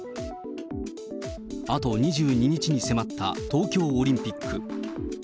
あと２２日に迫った東京オリンピック。